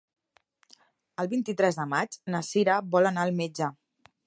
El vint-i-tres de maig na Cira vol anar al metge.